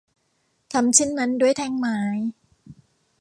ทำเช่นนั้นด้วยแท่งไม้